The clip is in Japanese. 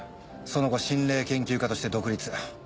その後心霊研究家として独立。